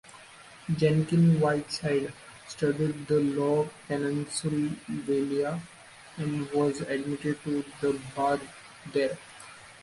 Jenkin Whiteside studied the law in Pennsylvania and was admitted to the bar there.